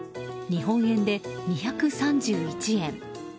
日本円で２３１円。